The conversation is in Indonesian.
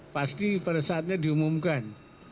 pasti pada saatnya diumumkan